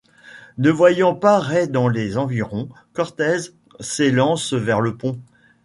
Ne voyant pas Ray dans les environs, Cortez s'élance vers le pont.